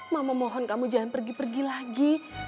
mama mohon kamu jangan pergi pergi lagi